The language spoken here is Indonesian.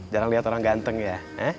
jarang lihat orang ganteng ya